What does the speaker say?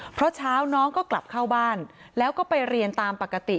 เพราะเช้าน้องก็กลับเข้าบ้านแล้วก็ไปเรียนตามปกติ